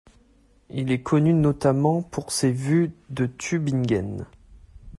Il est connu notamment pour ses vues de Tübingen.